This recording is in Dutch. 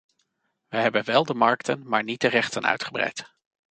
We hebben wel de markten, maar niet de rechten uitgebreid.